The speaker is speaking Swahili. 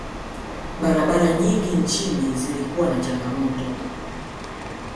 barabara nyingi nchini zilikuwa na changamoto